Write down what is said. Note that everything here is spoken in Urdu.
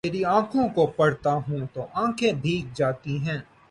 تری آنکھوں کو پڑھتا ہوں تو آنکھیں بھیگ جاتی ہی